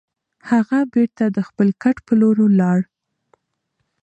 هغه بېرته د خپل کټ په لور لاړ.